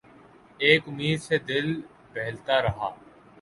ایک امید سے دل بہلتا رہا